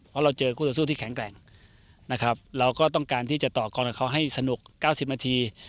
เพราะเราเจอคู่ต่อสู้ที่แข็งแกร่งนะครับเราก็ต้องการที่จะต่อกรกับเขาให้สนุก๙๐นาที